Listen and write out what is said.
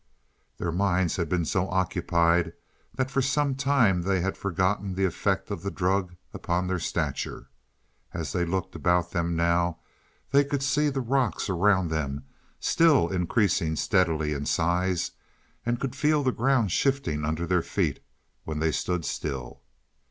Their minds had been so occupied that for some time they had forgotten the effect of the drug upon their stature. As they looked about them now they could see the rocks around them still increasing steadily in size, and could feel the ground shifting under their feet when they stood still.